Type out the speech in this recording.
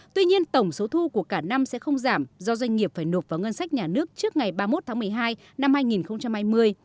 tuy nhiên tổng số thu của cả năm sẽ không giảm do doanh nghiệp phải nộp vào ngân sách nhà nước trước ngày ba mươi một tháng một mươi hai năm hai nghìn hai mươi